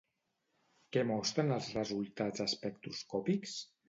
Què mostren els resultats espectroscòpics?